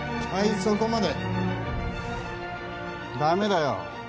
そこまでダメだよ